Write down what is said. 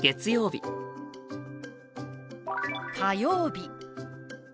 「火曜日」。